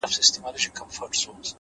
لوړ همت ستړې پښې نه احساسوي؛